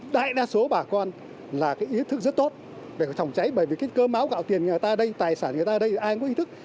đại đa số bà con là ý thức rất tốt về phòng cháy bởi vì cơ máu gạo tiền người ta ở đây tài sản người ta ở đây ai cũng có ý thức